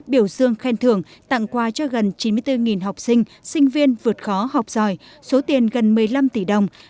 biểu dương khen thưởng tặng qua cho gần chín mươi bốn học sinh sinh viên vượt khó